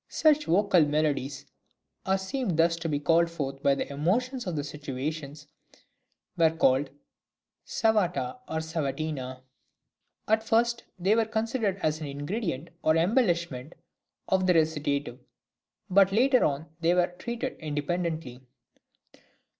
Such vocal melodies as seemed thus to be called forth by the emotions of the situations were called cavata or cavatina. At first they were {RECITATIVE THE ARIA.} (161) considered as an ingredient or embellishment of the recitative, but later on they were treated independently.